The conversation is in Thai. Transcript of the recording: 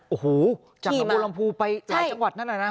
โอ้โหจังหวัดลำพูไปหลายจังหวัดนั่นน่ะนะครับ